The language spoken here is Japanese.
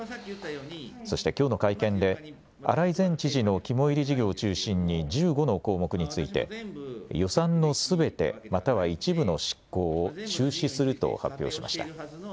そしてきょうの会見で荒井前知事の肝いり事業を中心に１５の項目について予算のすべて、または一部の執行を中止すると発表しました。